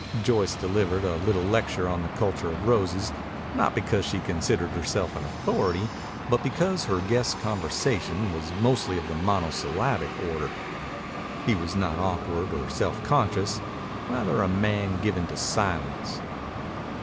Joyce delivered a little lecture on the culture of roses, not because she considered herself an authority, but because her guest's conversation was mostly of the monosyllabic order. He was not awkward or self conscious; rather a man given to silence.